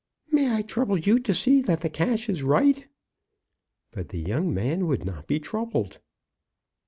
"May I trouble you to see that the cash is right." But the young man would not be troubled.